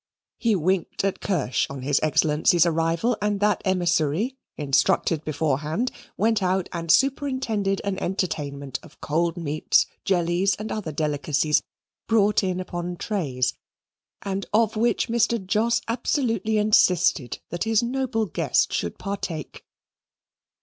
He winked at Kirsch on his Excellency's arrival, and that emissary, instructed before hand, went out and superintended an entertainment of cold meats, jellies, and other delicacies, brought in upon trays, and of which Mr. Jos absolutely insisted that his noble guest should partake.